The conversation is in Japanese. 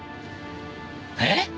えっ！？